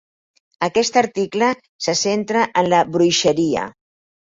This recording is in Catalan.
Aquest article se centra en la bruixeria.